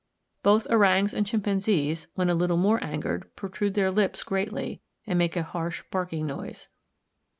Both orangs and chimpanzees, when a little more angered, protrude their lips greatly, and make a harsh barking noise.